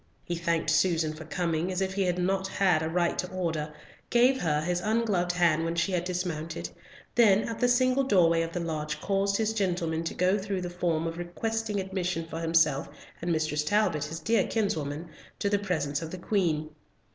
He thanked Susan for coming, as if he had not had a right to order, gave her his ungloved hand when she had dismounted, then at the single doorway of the lodge caused his gentleman to go through the form of requesting admission for himself and Mistress Talbot, his dear kinswoman, to the presence of the Queen.